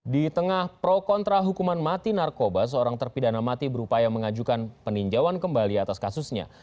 di tengah pro kontra hukuman mati narkoba seorang terpidana mati berupaya mengajukan peninjauan kembali atas kasusnya